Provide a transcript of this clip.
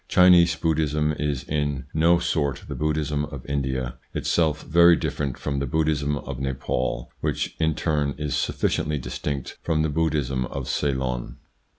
Chinese Buddhism is in no sort the Buddhism of India, itself very different from the Buddhism of Nepaul, which in turn is sufficiently distinct from the Buddhism of Ceylon.